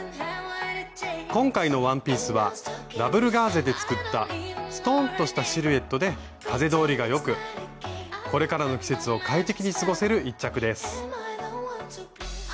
今回のワンピースはダブルガーゼで作ったストンとしたシルエットで風通りがよくこれからの季節を快適に過ごせる一着です。